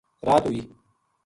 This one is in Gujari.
رات ہوئی